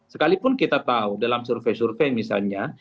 sekalipun kita tahu dalam survei survei misalnya